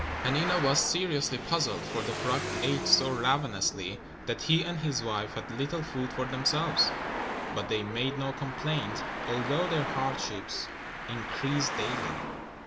Hanina was seriously puzzled, for the frog ate so ravenously that he and his wife had little food for themselves. But they made no complaint, although their hardships increased daily.